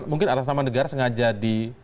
mungkin atas nama negara sengaja di